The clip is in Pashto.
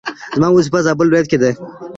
زما وظيفه زابل ولايت کي ده